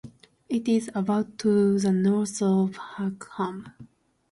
It is about to the north of Hexham.